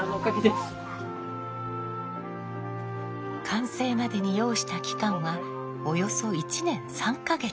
完成までに要した期間はおよそ１年３か月。